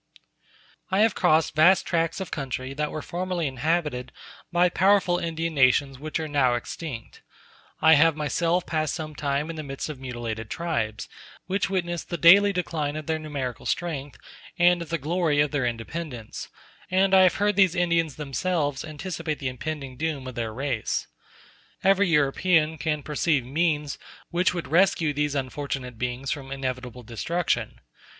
I have crossed vast tracts of country that were formerly inhabited by powerful Indian nations which are now extinct; I have myself passed some time in the midst of mutilated tribes, which witness the daily decline of their numerical strength and of the glory of their independence; and I have heard these Indians themselves anticipate the impending doom of their race. Every European can perceive means which would rescue these unfortunate beings from inevitable destruction.